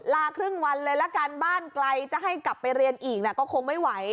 ครึ่งวันเลยละกันบ้านไกลจะให้กลับไปเรียนอีกนะก็คงไม่ไหว